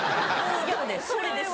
それです。